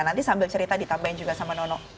nanti sambil cerita ditambahin juga sama nono